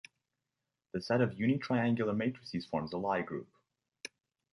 The set of unitriangular matrices forms a Lie group.